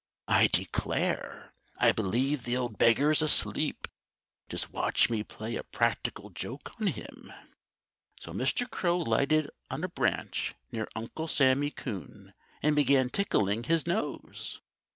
"I declare, I believe the old beggar's asleep. Just watch me play a practical joke on him!" So Mr. Crow lighted on a branch near Uncle Sammy Coon and began tickling his nose.